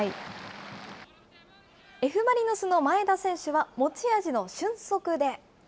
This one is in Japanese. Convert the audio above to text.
Ｆ・マリノスの前田選手は、持ち味の俊足で。